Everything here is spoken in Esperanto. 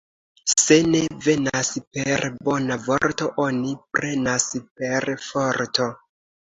Se ne venas per bona vorto, oni prenas per forto.